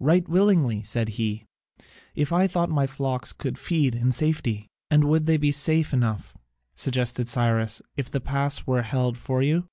"Right willingly," said he, "if I thought my flocks could feed in safety." "And would they not be safe enough," suggested Cyrus, "if this pass were held for you?"